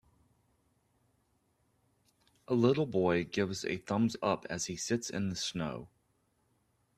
A little boy gives a thumbs up as he sits in the snow.